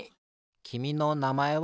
きみのなまえは？